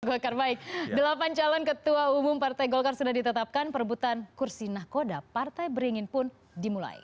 golkar baik delapan calon ketua umum partai golkar sudah ditetapkan perebutan kursi nahkoda partai beringin pun dimulai